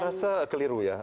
saya rasa keliru ya